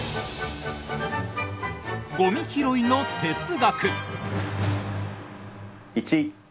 「ゴミ拾いの哲学」！